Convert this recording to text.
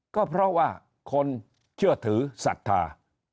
ก็เพราะว่าคนเชื่อถือศรัทธา